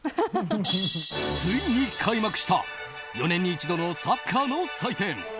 ついに開幕した４年に一度のサッカーの祭典ＦＩＦＡ